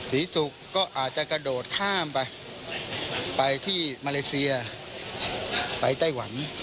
ศรีสุกก็อาจจะกระโดดข้ามไปไปที่มาเลเซียไปไต้หวัน